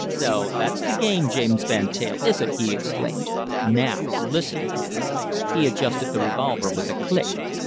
"So that's the game, James Van Teyl, is it?" he exclaimed. "Now listen." He adjusted the revolver with a click.